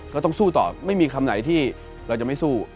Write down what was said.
ก็ต้องสู้ต่อไม่มีคำไหนที่เราจะไม่สู้